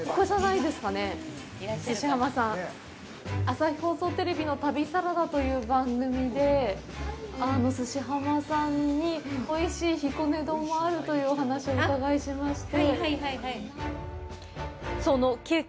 朝日放送テレビの旅サラダという番組で、すし浜さんにおいしいひこね丼があるというお話をお伺いしまして。